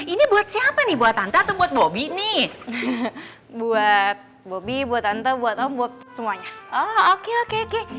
ini buat siapa nih buat tante atau buat bobby nih buat bobby buat anta buat om buat semuanya oh oke oke kek